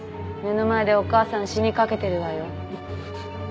目の前でお母さん死にかけてるわよ。